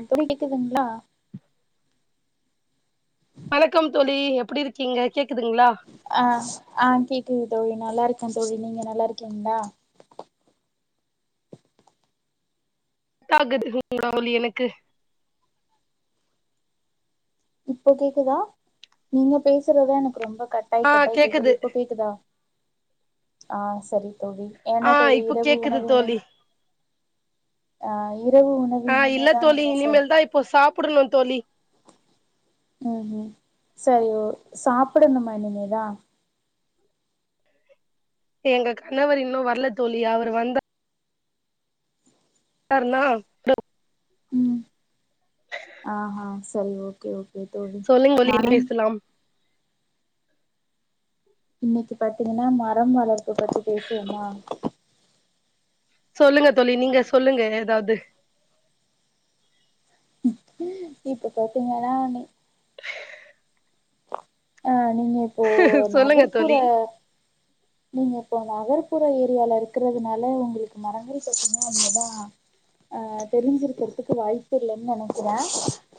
அப்படி கேக்குதுங்களா வணக்கம் தோலி எப்படி இருக்கீங்க கே ஆ ஆ கே ஒகேங் தோலி நல்லா இருக்கேன் தோலி நீங்க நல்லா இருக்கீங்களா [unintelligible] எனக்கு இப்ப கேக்குதா நீங்க பேசுறதான் எனக்கு ரொம்ப கட்டாய் கட்டாய் கேக்குது இப்போ கேக்குதா ஆ சரி தோலி ஆ என்ன தொலி இப்போ இரவு கேக்குது உணவு என்ன தோழி ஆ இரவு உணவு ஆ இல்ல இனிமேதா தோலி நீங்க ச இனிமேல் தான் இப்போ சாப்டடுனும் தோலி ம் உம் சரி ஓ சாப்டனுமா இனிமேதா எங்க கணவர் இன்னும் வரல தோலி அவர் வந்தா வந்தார்னா ஆ ஹா சரி ஓகே ஓகே தோழி சொல்லுங்க தோலி இனி நானு பேசலாம் இன்னிக்கு பாத்தீங்கன்னா மரம் வளர்ப்பு பத்தி பேசுவோமா சொல்லுங்க தொலி நீங்க சொல்லுங்க ஏதாவது இப்ப பாத்தீங்கன்னா நீ ஆ நீங்க இப்போ சொல்லுங்க நகர்ப்புற தோழி நீங்க இப்போ நகர்ப்புற ஏரியால இருக்கிறதுனால உங்களுக்கு மரங்கள் பத்தினா அங்க தான் அ தெரிஞ்சிருக்கிறதுக்கு வாய்ப்பு இல்லன்னு நெனைக்கிறேன்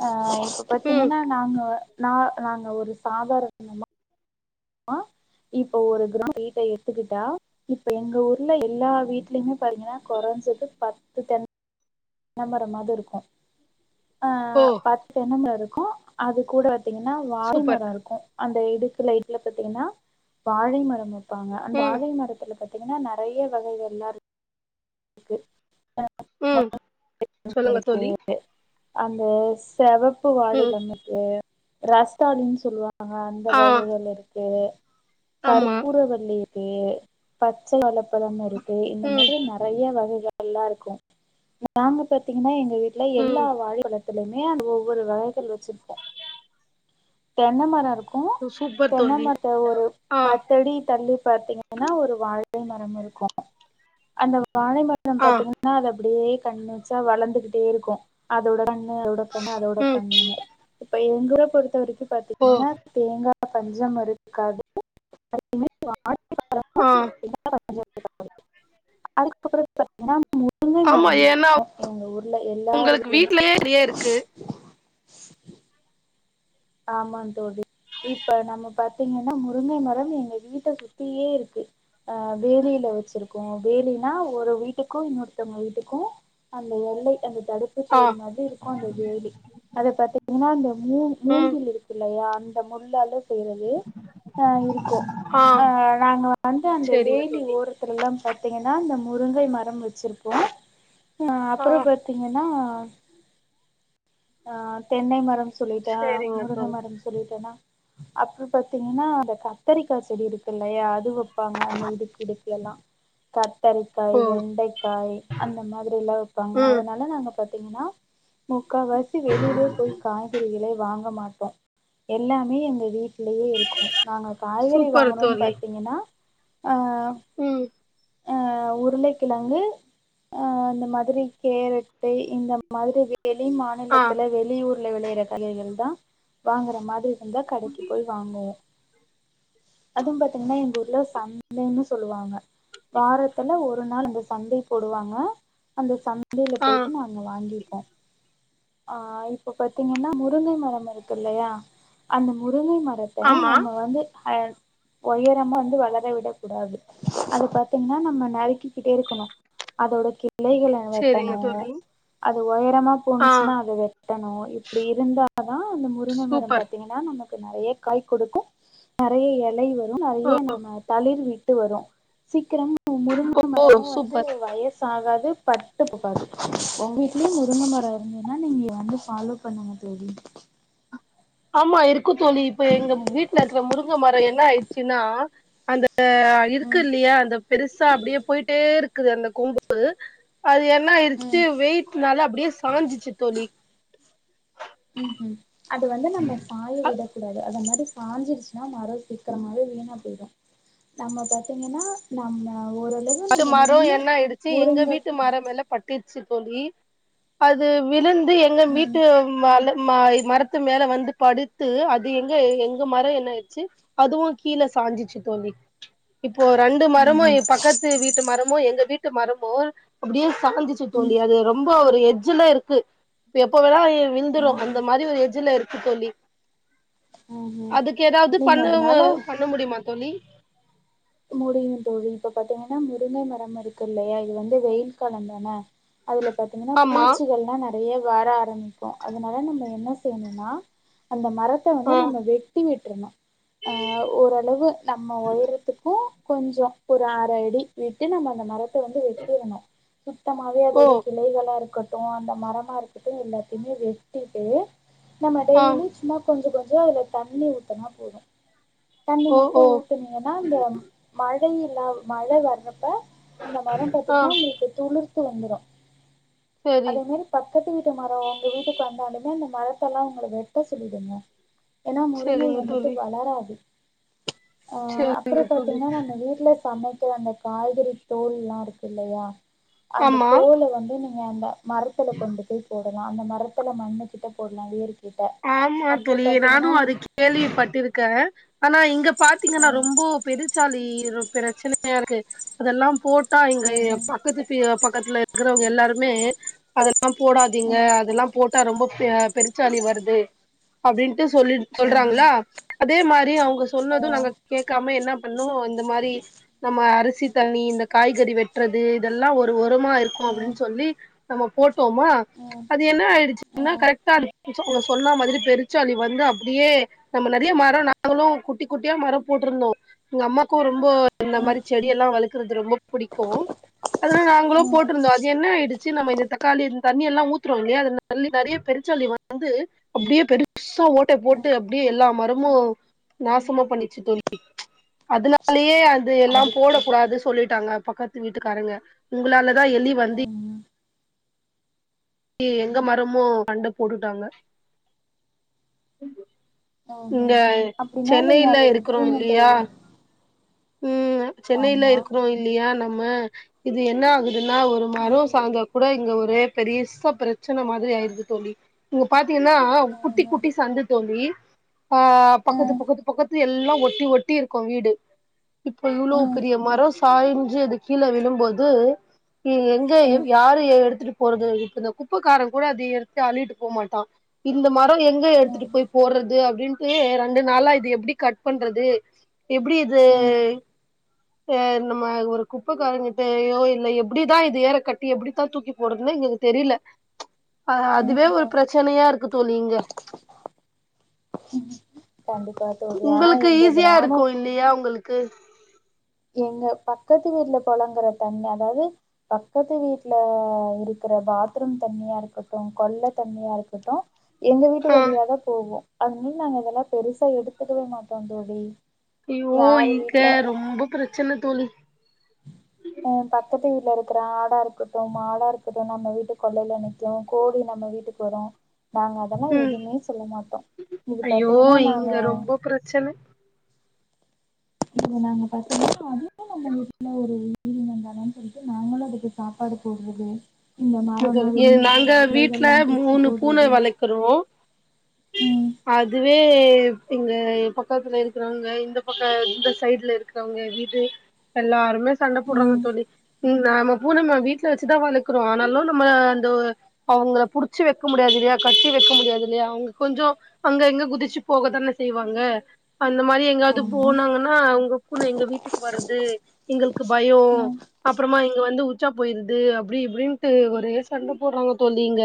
ஆ இப்ப ம் பாத்தீங்கன்னா நாங்க நா நாங்க ஒரு சாதாரண ஆமா அ இப்ப ஒரு கிரௌண்ட கீட்ட எடுத்துக்கிட்டா இப்ப எங்க எங்க ஊர்ல எல்லா வீட்டுலயுமே பாத்தீங்கன்னா கொறைஞ்சது பத்து தென்னமரோ பனமர மாது இருக்கும் ஓ பத்து தென்னமரம் இருக்கும் அது கூட பாத்தீங்கன்னா வார சூப்பர் மரம் இருக்கும் அந்த இக்கு பாத்தீங்கன்னா வாழை மரம் ங்க அந்த ம் வாழை மரத்து பத்தி பாத்தீங்கன்னா நெறைய வகைகள் எல்லாம் இரு இருக்கு ம் சொல்லுங்க இருக்கு தோழி அந்த செவ ப்பு ம் வாழிலந்துக்கு ராஸ்தா அலின்னு சொல்லுவாங்க அங்க ஆ ஜம்பது ஆறுவதுல இருக்கு ஆமா கற்பூர வள்ளி பச்ச கொள இப்தான் இருக்கு இந்த ம் மாரி ந வகைகள்ல்லாம் இருக்கும் நாங்க பாத்தீங்கன்னா எங்க வீட்டுல ம் எல்லா வாழ வ எத்துலயுமே ஒவ்வொரு வகைகள் வச்சிருபோம் தென்னை மரம் இருக்கும் க்கும் சூப்பர் தோழி தென்மத்த ஒரு ஆ பத்தடி தள்ளி பார்த்தீங்கன்னா ஒரு வாழ மரம் இருக்கும் அந்த வாழை மரம் ஆ பாரத்தீங்கன்னா அத அப்டியே கண்ண வச்சா வளர்ந்துகிட்டே இருக்கும் அதோட [inaudible] அதோடக்க ம் அதோடக்கு இப்ப எங்கள கொத்த வ இரு ஓ பாத்தீங்கன்னா தேங்கா பஞ்சம் வருரத்துக்காக ஆ [inaudible] முருங்க ஆமா மரம் ஏன்னா இருக்கும் அவங்க ஊர்ல எல்லாரு உங்களுக்கு வீட்யுமே வீட்லயே நெறைய இருக்கு ஆமா தோழ இப்ப நம்ம பாத்தீங்கன்னா முருங்கை மரம் எங்க வீட்டை சுத்தியே இருக்கு ஆ வேலியில வச்சிருக்கோம் வேலினா ஒரு வீட்டுக்கும் இன்னொருத்தவங்க வீட்டுக்கும் அந்த எல்லை அந்த தடுப்பு சோ ஆ ஒரு மாரி இருக்கும் அந்த வேலி அத பாத்தீங்கன்னா அந்த மூணு ம் மூங்கில் இருக்கு அந்த முள்ளு போறிறது இருக்கும் ஆ நாங்க வந்து அந்த சேரிங்க வேலி தோழி ஓரத்துல எல்லாம் பாத்தீங்கன்னா அந்த முருங்கை மரம் வச் வச்சிருப்போம் ஹ ஆ அப்பறம் பாத்தீங்கன்னா ஆ ஆஹ் தென்னை மரம் சொல்லிட்டேன் சேரிங்க முருங்க தோழி மரம் சொல்லிட்டேன்னா அப்பறம் பாத்தீங்கன்னா அ கத்திரிக்கா செடி இருக்குலையா அது ப்பாங்க அந்த இடுக்கு இடுக்க எல்லாம் [inaudible] கத்தரிக்காய் ஓ வெண்டக்காய் அந்த மாதிரிலாம் வப்பாங்க ம் அதனால நாங்க பாத்திங்ன்னா முக்காவாசி வெளிலலே போய் காய்கறிகலே வாங்க மாட்டோம் எல்லாமே எங்க வீட்ல யே இருக்கும் நாங்க காய்கறி வாங்கணும்ன்னு பாத்தீங்கன்னா உம் ஹ உருளைக்கிழங்கு இந்த மாதிரி கேரட்டு இந்த மாதிரி வெளி மாநிலத் ஆ இத்துல வெளியூர்ல வெளையிற கலைைலதான் வாங்குற மாதிரி வந்தா கடக்கு போய் வாங்குவோம் அதுவும் பாத்தீங்கன்னா எங்க ஊர்ல சந்தன்னு சொல்லுவாங்க வாரத்துல ஒரு நாள் அந்த சந்த போடுவாங்க அந்த சந்த வண்டில ஆ போயிட்டு நாங்க வாங்கி அ ஆ இப்ப பாத்தீங்கன்னா முருங்கை மரம் இருக்குல்லையா அந்த மு முருங்கை மரத்த ஆமா நம்ம வந்து ஓயரமா வந்து வளர விடக் கூடாது அது பாத்தீங்கன்னா நம்ம நறுக்கிக்கிட்டே இருக்கணும் அதோட இலைகள சேரிங்க வெட்டணும் தோழி அது ஒயரமா ஆ போணுச்சின்னா வெட்டணும் இப்டி இருந்தா தான் அந்த முருகன் மரம் சூப்பர் பாத்தீங்கன்னா நம்ம நெறைய காய் கொடுக்கும் நெறைய இலை வ நெறைய நம்ம தளிர்வி ட் வரும் சீக்கிரம் முருங்க ஓ மரமும் வந்து சூப்பர் வயசாகாது பட்டு போகாது உங்க வீட்லயும் முருங்க மரம் இருந் என்னா நீங்க வந்து ஃபாலோ பண்ணுங்க தோழி ஆமா இருக்கும தோழி இப்ப எங்க வீட்ல இருக்க முருங்க மரம் என்ன ஆயிடுச்சின்னா அந்த ஆ ம் இருக்குயில்லையா அந்த பெருசா அப்டியே போயிட்டேயிருக் குது அந்த கொம்பு [unintelligible] அது என்ன ஆயிடுச்சு ம் வெயிட்னால அப்டியே சாஞ்சிச்சு தோலி உம் ஹும் அது வந்து நம்ம சாய விடக்கூடாது அத மாரி சாஞ்சுடுச்சுன்னா மரோ சீக்குரமாவே வீணா போயிடோ நம்ம பாத்தீங்கன்னா நம்ம ஓரளவு பட்டு நம்ம மரோ நின்னு என்ன ஆயிடுச்சு எங்க முருங்க வீட்டு மரோ மேல பட்டு ச்சு தோலி அது விலுந்து எங்க ம் வீட்டு மல மரத்து மேல வந்து படுத்து அது எங்க எங்க மரோ என்ன ஆயிடுச்சு அதுவோ கீல சாஞ்சுச்சு தோலி இப்போ ரெண்டு மருமோ ம் பக்கத்து வீட்டு மரமோ எங்க வீட்டு மரமோ அப்டியே சாஞ்சிச்சு ம் ம் தோலி அது ரொம்ப ஒரு எஜ்ஜுலயிருக்கு எப்போல்லா விழுந்துடோ அந்த மாரி ஒரு எஜ்ஜுலயிருக்கு தோலி ம் ம் அதுக்கு எதாவது நீங்க பண்ணுமோ அதனால பண்ண முடியுமா தோலி முடியோ தோழி இப்ப பாத்தீங்கன்னா முருங்க மரம் இருக்குயில்லையா இது வந்து வெயில் காலோந்தான அதுல பாத்தீங்கன்னா ஆமா பூச்சிகள்லா நெறைய வர ஆரம் பிக்கோ அதனால நம்ம என்ன செய்யனோன்னா அந்த மரத்த ஆ வந்து நம்ம வெட்டி எடு துருனோ அஹ் ஓரளவு நம்ம ஒயரத்துக்கு கொஞ்சோ ஒரு அரவுடி விட்டு நம்ம அந்த மர த்த வந்து வெட்டிடணோ சுத்தமாவே ஓ அதோட கிளைகளாயிருக்க ட்டோ அந்த மரமாயிருக்கட்டோ எல்லாத்தையுமே வெட்டிட்டு நம்ம ஆ டெய்லி சும்மா கொஞ்சோ கொஞ்சோ அதுல தண்ணி ஊத்துனா போதோ தண்ணி ஓ மட்டோ ஓ ஊத்துனீங்கன்னா அந்த அகையில்லா மழ வர்றப்ப நம்ப மரோ ஆ பாத்தீங்கன்னா உங்களுக்கு துளிர் வந்துடோ செரி அதே மாரி பக்கத்து வீட்டு மரோ உங்க வீட்டுக்கு வந்தாலுமே அந்த மரத்தெல்லாம் உங்க வெட்ட சொல்லிடுங்க ஏன்னா முருங்கை செரிங்க வந்துட்டு தோழி வளராது ஆஹ் செரிங்க அப்புறம் ப தோழி நம்ம வீட்டுல சமைக்கிற அந்த காய்கறித் தோல் எல்லாம் இருக்கு இல்லையா அந்த ஆமா தோலை வந்து நீ என்ம்ப மரத்துல கொண்டு போய் போ நாம் அந்த மரத்துல மண்ணு கிட்ட போடலாம் இயற்க் ஆமா தோழி நானும் அது ஆமா கேள்விப்பட்டிருக்கேன் ஆனா இங்க பாத்தீங்கன்னா ம் ரொம்ப பெரு ச்சாலி பிரச்சனையா இருக்கு அதெல்லாம் போட்டு அக்கா இங்க ம் ம் பக்கத்து தெரு பக்கத்துல இருக்கறவங்க எல்லாரும ம்மே அதல தாம் போடாதீங்க ம் அதெல்லாம் போட்டா ரொம்ப பேர பெருச்சாளி வருது டினு அப்படின்டூ சொல்லி ம் சொல்றாங்களா அதே மாதிரி அவங்க சொன்னதும் நாங்க கேட்காம என்ன இன்னும் இந்த மாரி நம்ம அரிசி தண்ணி இந்த காய்கறி வெட்டுறது இதெல்லாம் ஒரு ஒர்க் தும்மா இருக்கும் ம் அப்டின்னு சொல்லி நம்ம போட் போட்டமா ம் ம் அது என்ன ஆயிடுச்சுன்னா ம் கரெக்டா இரு [unintelligible] சொன்ன மாதிரி பெருச்சாளி வந்து அப்படியே நம்ம நிறைய மரம் நாங்களும் குட்டி குட்டியா மரம் போட்டிருந்தோம் எங்க அம்மாக்கும் ஒரு ரொம்ப இந்த ம் மாதிரி செடிய எல்லாம் வளக்குறது ரொம்ப பிடிக்கும் அதெல்லாம் நாங்களும் ம் போட்டிருந்தோம் அது என்ன ஆயிடுச்சு நம்ம இந்த தக்காளி இரு தண்ணி எல்லாம் ஊத்துரும்வோம் இல்லையா அது தல்லி நிறைய பெருச்சாலி வந்து அப்படியே பெருசா ஓட்ட ம் போட்டு அப்படியே எல்லா மரமும் நாசமா பண்ணிச்சு தோழி அதுலயே அது எல்லாம் அதுக்கு போடக்க கூடாது சொல்லிட்டு ட்டாங்க பக்கத்து வீட்டுக்காரங்க உங்களால தா எலி வந்து ம் ம் எங்க மரமும் கண்டு போட்டுட்டாங்க ம் இங்க ம் அப்டின்னா நீங்க அத சென்னையில எடுக்கிறோம் விட்ருங்க இல்லையா தோழி ம் சென்னையில ஆமா இருக்கிறோம் இல்லையா நம்ம ஹ இது என்ன ஆகுது இதுனா ஒரு ம் மரம் சாஞ்சா கூட இங்க ஒரே பெரியச பிரச்சனை மாதிரி ஆயிருது தோழி இங்க பாார்த் பாத்தீன்னா குட்டி ம் குட்டி சந்து தோழி ஆ ம் பக்கத்து ம் பக்கத்து பக்கத்து எல்லா ஒட்டி ஒட்டி இருக்கும் வீடு இப்போ இவ்ளோ ம் பெரிய மர சாய்ச்சு அது கீழே விழும்போது எங்க ம் யாரு எடுத்துட்டு போறது இப்ப குப்பைக்காரன் கூட அதது எடுத்து அழிட்டு போகமாட்டான் இந்த மாரி எங்க எடுத்துட்டு ம் போய் போடுறது அப்படின்னு ஏ ரெண்டு நாளா இது எப்டி கட் பண்றது எப்டி இது ம் [inaudible] நம்ம ஒரு குப்பைக்காரங்கிட்டயோ இல்ல எப்டிதான் இது ஏற கட்டி எப்டித்தான் தூக்கி போடுறதுன்ன எங்களுக்கு தெரியல ம் அதுவே ஒரு ம் பிரச்சனையா இருக்கு தொலிங்க கண்டிப்பா தோழி ஆனா உங்களுக்கு எங்க ஈஸியா கிராமம் இருக்கும் இல்லயா உங்களுக்கு க்கு எங்க பக்கத்து வீட்டுல பெழங்குற தண்ணி அதாவது பக்கத்து வீட்டுல இருக்கிற பாத்ரூம் தண்ணியா இருக்கட்டும் கொள்ளதண்ணியா இருக்கட்டும் எங்க வீட்டு ஆ வழியாதான் போவோம் அப்டின்னு நாங்க இதெல்லாம் பெருசா எடுத்துக்கவே மாட்டோம் தோழி ஐயோ யாரு இங்க ரொம்ப பிர ச்சின்ன தோலி ஆ பத்த பக்கத்து வீல இருக்கிற ஆடா இருக்கட்டும் மாடா இருக்கட்டும் நம்ம வீட்டு கொள்ளையில நிற்கும் கோழி நம்ம வீட்டுக்கு வரும் நாங்க அதெல்லாம் ம் எதுவுமே சொல்ல மாட்டோம் இது ஐயோ பாத்தீங்கன்னா நாங்க இங்க ரொம்ப பிரச்சன இ நாங்க பத்தங்கா அதுவும் நம்ம வீட்டுல ஒரு உயிரினதானே சொல்லிச்சட்டு நாங்களும் அதுக்கு சாப்பாடு போடுறது இந்த மரம்லா விழுந்ததுன்னா நாங்க அதோட வீட்டுல கிளைகள்லா பிச்சு மூணு பூனை போடுறது வளக்கிறோம் ம் அதுவே இங்க பக்கத்துல இருக்கிறவங்க இந்த பக்க இந்த சைடுல இருக்கிறவங்க வீடு எல்லாருமே சண்ட போடுறாங்க ம் தோழி நம்ம பூனைம்ம வீட்டுல வச்சுதான் வளர்க்கிறோம் ஆனாலும் நம்ம அந்த அவங்களை புடிச்சு வைக்க முடியாது இல்லையா கட்டி வைக்க முடியாது இல்லையா அவங்க கொஞ்சம் அங்க எங்க குதிச்சு போக தானே செய்வாங்க அந்த மாரி எங்காவது ஆமா போனாங்கன்னா அவங்க பூன எங்க வீட்டுக்கு வருர்து எங்களுக்கு பயயோம் ம் அப்பறமா இங்க வந்து உச்சா போயிருது அப்டி இப்டின்னு ஒரே சண்டை போடுறாங்க தோல்லிங்க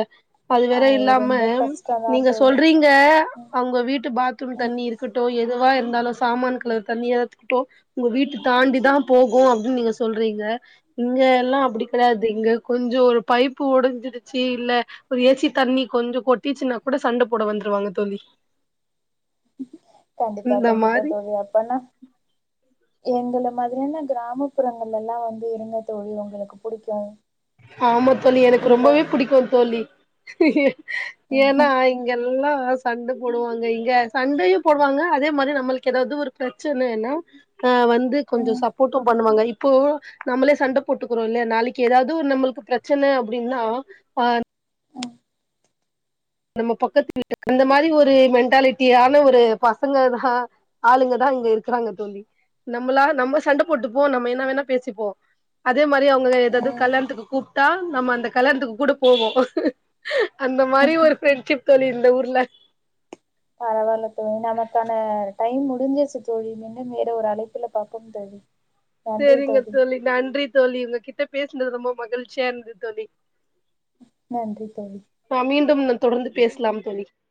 அது வேற இல்லாம ரொம்ப கஷ்டந்தா நீங்க தோழி சொல்றீங்க ம் அவங்க வீட்டு பாத்ரூம் ம் தண்ணி இருக்கட்டும் எதுவா இருந்தாலும் சாமான கழுவுற தண்ணி எதத்துக்கிட்டோ உங்க வீட்டு தாண்டி தான் போகும் அப்டின்னு நீங்க சொல்றீங்க இங்க எல்லாம் அப்டி கெடையாது இங்க கொஞ்சம் கொஞ்சம் ஒரு பைப்பு உடைஞ்சிடுச்சு இல்ல ஒரு ஏச்சி தண்ணி கொஞ்சம் கொட்டிச்சுன்னா கூட சண்ட போட வந்துருவாங்க தோலி கண்டிப்பா கண்டிப்பா தோழியா அப்னா எங்களை மாரியான கிராமப்புறங்கள்ல எல்லாம் வந்து இருங்க தொழில் உங்களுக்கு புடிக்கும் ஆமா தோல்லி எனக்கு ரொம்பவே பிடிக்கும் தோல்லி [inaudible] ம் ஏன்னா ம் இங்கெல்லாம் சண்ட போடுவாங்க இங்க சண்டயும் போடுவாங்க அதே மாரி நம்மளுக்கு எதாவது ஒரு பிரச்சனனா வந்து கொஞ்சம் ம் சப்போர்ட்டும் பண்ணுவாங்க இப்போ நம்மளே சண்ட போட்டுக்கிறோ இல்லய நாளைக்கு எதாவது எதோ ஒரு நம்மளுக்கு பிரச்சனை அப்டின்னா ஆ ம் நம்ம பக்கத்து வீட்டுக்கு அந்த மாரி ஒரு மென்டாலிட்டியான ஒரு பசங்க தா ஆளுங்கதான் இங்க இருக்கிறாங்க தோழி நம்மளா நம்ம சண்ட போட்டுப்போம் நம்ம என்ன வேணா பேசிப்போம் அதே மா அதே மாரி அவங்க எதாவது ம் கல்யாணத்துக்கு கூப் ஆம் நம்ம அந்த கல்யாணத்துக்கு கூட போவோம் அந்த மாரி ம் ஒரு ஃப்ரெண்ட்ஷிப் இந்த ஊர்ல பரவால்ல தோழி நமக்கான டைம் முடிஞ்சிருச்சு தோழி இன்னும் வேற ஒரு அழைப்புல பாப்போம் தோழி செரிங்க தோழி நன்றி தோழி உங்க கிட்ட பேசுனது ரொம்ப மகிழ்ச்சியா இருந்தது தோழி நன்றி தோழி ஆ மீண்டும் நம் தொடர்ந்து பேசலாம் தோழி